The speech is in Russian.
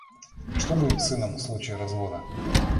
Что будет с сыном в случае развода?